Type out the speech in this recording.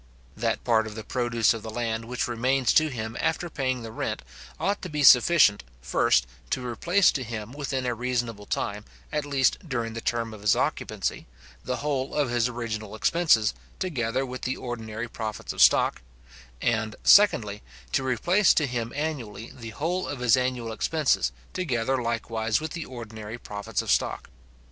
That part of the produce of the land which remains to him after paying the rent, ought to be sufficient, first, to replace to him, within a reasonable time, at least during the term of his occupancy, the whole of his original expenses, together with the ordinary profits of stock; and, secondly, to replace to him annually the whole of his annual expenses, together likewise with the ordinary profits of stock.